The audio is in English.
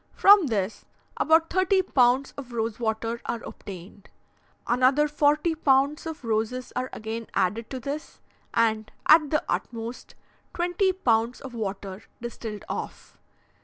From this, about thirty pounds of rose water are obtained. Another forty pounds of roses are again added to this, and, at the utmost, twenty pounds of water distilled off.